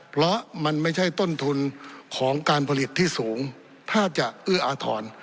เพราะมันไม่ใช่ต้นทุนของการผลิตที่สูงถ้าจะเอื้ออาทร